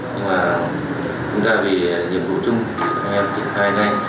nhưng mà chúng ta vì nhiệm vụ trung các anh em triển khai ngay